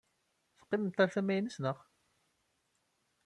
Teqqimemt ɣer tama-nnes, naɣ?